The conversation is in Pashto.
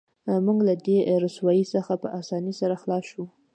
موږ له دې رسوایۍ څخه په اسانۍ سره خلاص شو